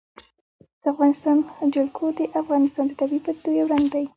د افغانستان جلکو د افغانستان د طبیعي پدیدو یو رنګ دی.